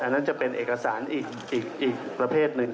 นั่นจะเป็นเอกสารอีกประเภทหนึ่ง